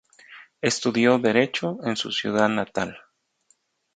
Estudió Derecho en su ciudad natal.